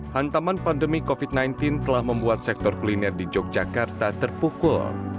hantaman pandemi covid sembilan belas telah membuat sektor kuliner di yogyakarta terpukul